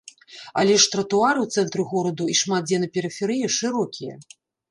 Але ж тратуары ў цэнтры гораду і шмат дзе на перыферыі шырокія.